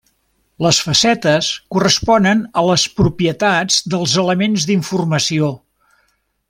Les facetes corresponen a les propietats dels elements d'informació.